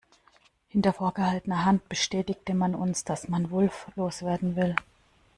Hinter vorgehaltener Hand bestätigte man uns, dass man Wulff loswerden will.